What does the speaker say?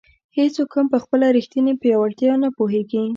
هیڅوک هم په خپله ریښتیني پیاوړتیا نه پوهېږي.